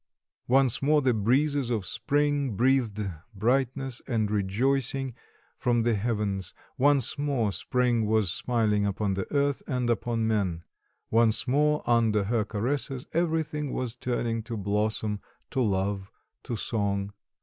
Once more the breezes of spring breathed brightness and rejoicing from the heavens; once more spring was smiling upon the earth and upon men; once more under her caresses everything was turning to blossom, to love, to song.